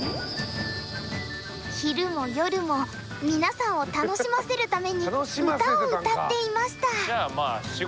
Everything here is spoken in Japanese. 「昼も夜も皆さんを楽しませるために歌を歌っていました。